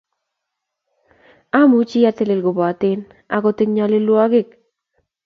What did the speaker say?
Amuchi atelel kopoten akot eng nyalilwogik